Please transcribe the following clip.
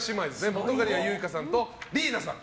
本仮屋ユイカさんとリイナさん